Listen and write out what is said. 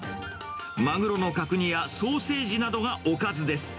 マグロの角煮やソーセージなどがおかずです。